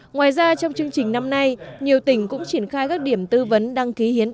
ngoài ra trong chương trình năm nay nhiều tỉnh cũng triển khai các điểm tư vấn